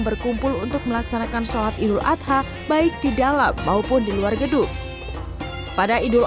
berkumpul untuk melaksanakan sholat idul adha baik di dalam maupun di luar gedung pada idul